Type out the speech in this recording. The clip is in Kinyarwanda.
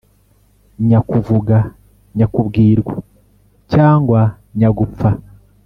nyakuvuga, nyakubwirwa cyangwa nyagupfa